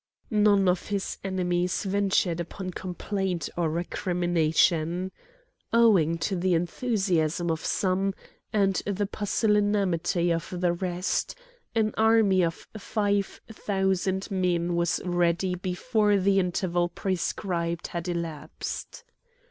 None of his enemies ventured upon complaint or recrimination. Owing to the enthusiasm of some and the pusillanimity of the rest, an army of five thousand men was ready before the interval prescribed had elapsed.